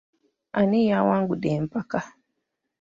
Ani yawangudde empaka?